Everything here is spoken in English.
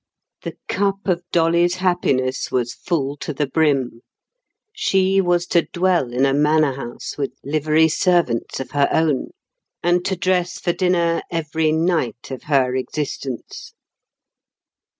The cup of Dolly's happiness was full to the brim. She was to dwell in a manor house with livery servants of her own, and to dress for dinner every night of her existence.